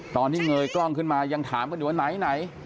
เงยกล้องขึ้นมายังถามกันอยู่ว่าไหน